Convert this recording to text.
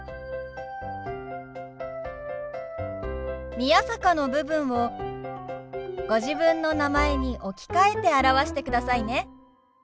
「宮坂」の部分をご自分の名前に置き換えて表してくださいね。